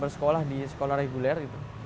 bersekolah di sekolah reguler